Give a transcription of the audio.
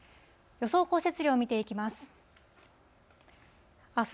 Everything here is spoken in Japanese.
予想降雪量見ていきます。